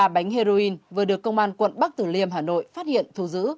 hai mươi ba bánh heroin vừa được công an quận bắc tử liêm hà nội phát hiện thu giữ